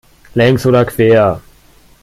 Längs oder quer?